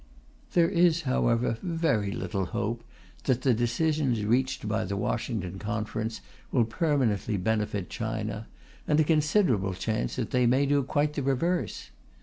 There is, however, very little hope that the decisions reached by the Washington Conference will permanently benefit China, and a considerable chance that they may do quite the reverse.